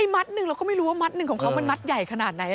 มัดหนึ่งเราก็ไม่รู้ว่ามัดหนึ่งของเขามันมัดใหญ่ขนาดไหน